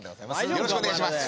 よろしくお願いします。